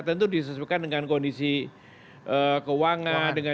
tentu disesuaikan dengan kondisi keuangan